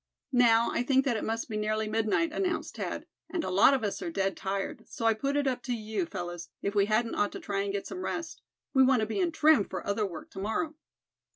"Now, I think that it must be nearly midnight," announced Thad, "and a lot of us are dead tired; so I put it up to you, fellows, if we hadn't ought to try and get some rest? We want to be in trim for other work to morrow."